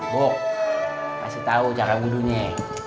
bok kasih tau cara budunya